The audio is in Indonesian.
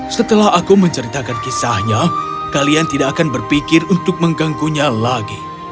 setelah aku menceritakan kisahnya kalian tidak akan berpikir untuk mengganggunya lagi